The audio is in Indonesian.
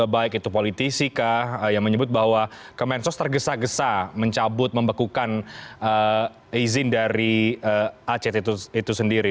baik itu politisi kah yang menyebut bahwa kemensos tergesa gesa mencabut membekukan izin dari act itu sendiri